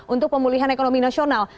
untuk pemulihan ekonomi nasional